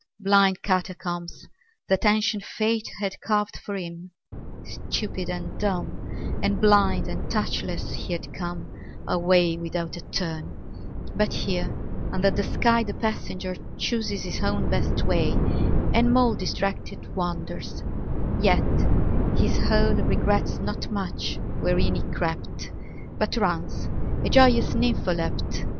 Blind catacombs that ancient fate Had carved for him. Stupid and dumb And blind and touchless he had come A way without a turn ; but here Under the sky the passenger Chooses his own best way, and mole Distracted wanders ; yet his hole Regrets not much wherein he crept But runs, a joyous nympholept.